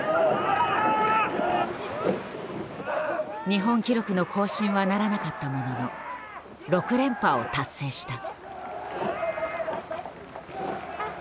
日本記録の更新はならなかったものの６連覇を達成した。